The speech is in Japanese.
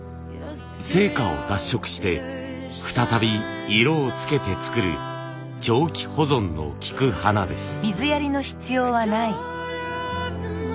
生花を脱色して再び色をつけて作る長期保存のきく花です。